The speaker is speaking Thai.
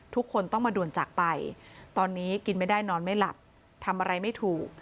ทุกคนต้องมาด่วนจากไปตอนนี้กินไม่ได้นอนไม่หลับทำอะไรไม่ถูก